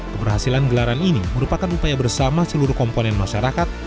keberhasilan gelaran ini merupakan upaya bersama seluruh komponen masyarakat